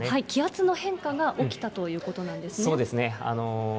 気圧の変化が起きたということなんですね。